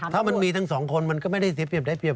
ถ้ามันมีทั้งสองคนมันก็ไม่ได้เสียเปรียบได้เรียบ